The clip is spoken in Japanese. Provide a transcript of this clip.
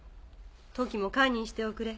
トキも堪忍しておくれ。